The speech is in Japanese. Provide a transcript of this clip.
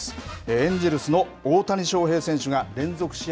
エンジェルスの大谷翔平選手が連続試合